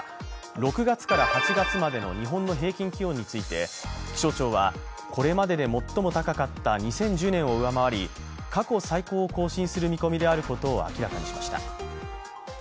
６月から８月までの日本の平均気温について気象庁は、これまでで最も高かった２０１０年を上回り過去最高を更新する見込みであることを明らかにしました。